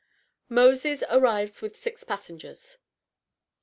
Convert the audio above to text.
"MOSES" ARRIVES WITH SIX PASSENGERS.